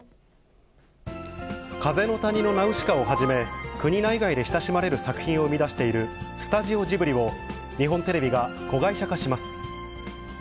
風の谷のナウシカをはじめ、国内外で親しまれる作品を生み出しているスタジオジブリを日本テレビが子会社化します。